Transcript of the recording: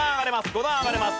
５段上がれます。